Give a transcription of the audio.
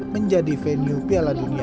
menjadi venue piala dunia u tujuh belas